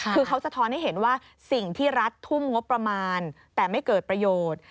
คือเขาสะท้อนให้เห็นว่าสิ่งที่รัฐทุ่มงบประมาณแต่ไม่เกิดประโยชน์